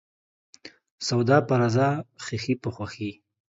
سوداپه رضا ، خيښي په خوښي.